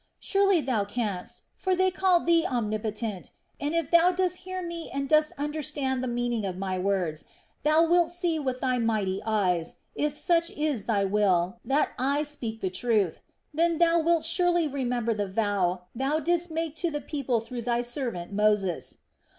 Surely Thou canst; for they call Thee omnipotent and, if Thou dost hear me and dost understand the meaning of my words, Thou wilt see with Thy mighty eyes, if such is Thy will, that I speak the truth. Then Thou wilt surely remember the vow Thou didst make to the people through Thy servant Moses.